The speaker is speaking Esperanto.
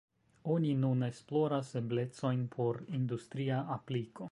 Oni nun esploras eblecojn por industria apliko.